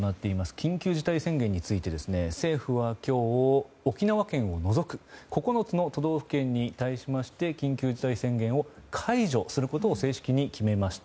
緊急事態宣言について政府は今日、沖縄県を除く９つの都道府県に対しまして緊急事態宣言を解除することを正式に決めました。